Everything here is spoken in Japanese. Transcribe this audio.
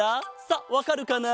さあわかるかな？